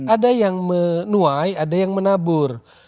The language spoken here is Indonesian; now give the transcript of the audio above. ada yang menuai ada yang menabur